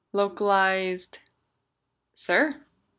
"Localized?" "Sir?"